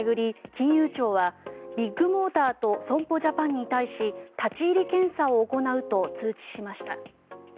金融庁はビッグモーターと損保ジャパンに対し立ち入り検査を行うと通知しました。